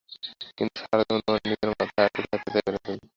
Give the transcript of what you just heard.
কিন্তু সারাজীবন তোমার নিজের মাথায় আটকে থাকতে চাইবে না তুমি।